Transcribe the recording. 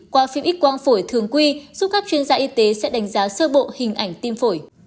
qua phim x quang phổi thường quy giúp các chuyên gia y tế sẽ đánh giá sơ bộ hình ảnh tiêm phổi